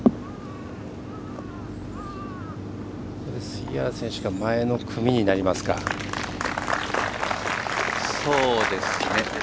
杉原選手が前の組になりますか。